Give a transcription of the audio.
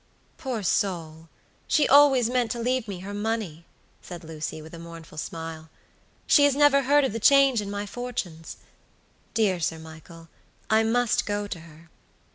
"Poor soul! she always meant to leave me her money," said Lucy, with a mournful smile. "She has never heard of the change in my fortunes. Dear Sir Michael, I must go to her."